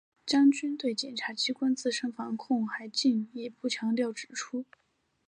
张军对检察机关自身防控还进一步强调指出